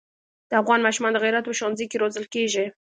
د افغان ماشومان د غیرت په ښونځي کې روزل کېږي.